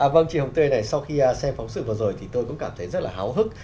vâng chị hồng tươi này sau khi xem phóng sự vừa rồi thì tôi cũng cảm thấy rất là háo hức